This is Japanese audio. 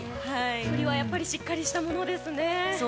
降りはしっかりしたものですね。